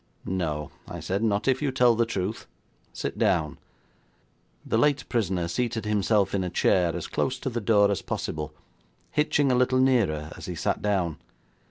'No,' I said, 'not if you tell the truth. Sit down.' The late prisoner seated himself in a chair as close to the door as possible, hitching a little nearer as he sat down.